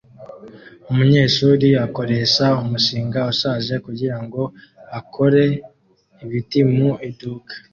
Umunyeshuri akoresha umushinga ushaje kugirango akore ibiti mu iduka